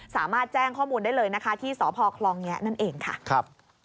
สามารถแจ้งข้อมูลได้เลยนะคะที่สพคลองแงะนั่นเองค่ะครับ